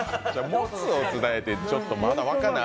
もつを伝えて、ちょっとまだ味が分からない。